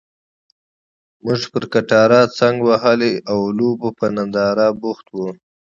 موږ پر کټاره څنګ وهلي او لوبو په ننداره بوخت وو.